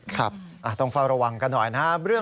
ครับต้องเฝ้าระวังกันหน่อยนะครับ